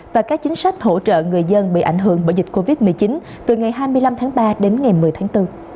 và các chính sách hỗ trợ người dân bị ảnh hưởng bởi dịch covid một mươi chín từ ngày hai mươi năm tháng ba đến ngày một mươi tháng bốn